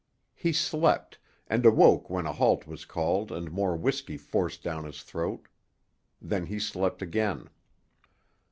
He slept, and awoke when a halt was called and more whisky forced down his throat. Then he slept again.